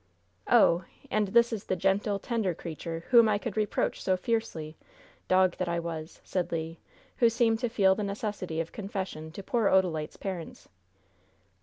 "Oh! and this is the gentle, tender creature whom I could reproach so fiercely dog that I was!" said Le, who seemed to feel the necessity of confession to poor Odalite's parents.